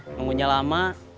tunggu nya lama